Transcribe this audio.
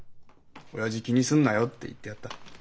「親父気にすんなよ」って言ってやった。